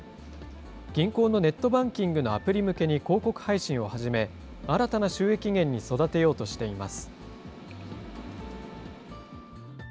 銀行のネットバンキングのアプリ向けに広告配信を始め、新たな収益源に育てようとしています。